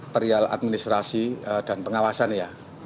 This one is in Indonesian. perihal administrasi dan pengawasan ya